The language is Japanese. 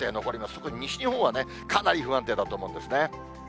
特に西日本はかなり不安定だと思うんですね。